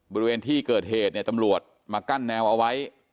บริเวณที่เกิดเหตุเนี่ยตำรวจมากั้นแนวเอาไว้